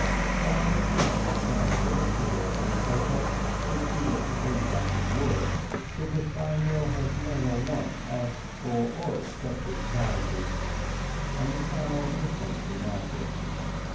I lent Seinwill two or three kopeks, which he was to pay me back in work, because Seinwill has never once asked for, or accepted, charity, and the child was sent to the market.